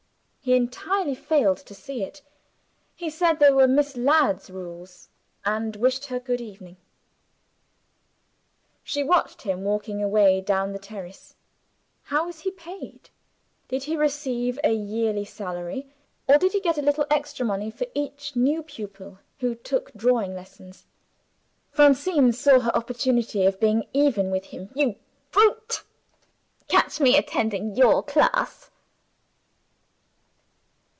He entirely failed to see it: he said they were Miss Ladd's rules and wished her good evening. She watched him, walking away down the terrace. How was he paid? Did he receive a yearly salary, or did he get a little extra money for each new pupil who took drawing lessons? In this last case, Francine saw her opportunity of being even with him "You brute! Catch me attending your class!"